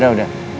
gak ada yang pilih